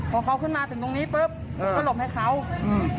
พอเขาขึ้นมาถึงตรงนี้ปุ๊บผมก็หลบให้เขาอืม